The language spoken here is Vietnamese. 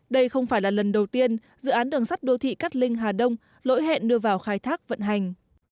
đây không phải là lần đầu tiên dự án đường sắt đô thị cát linh hà đông lỗi hẹn đưa vào khai thác vận hành